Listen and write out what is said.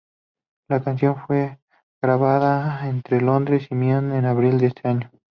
La canción fue grabada entre Londres y Miami en abril de este año.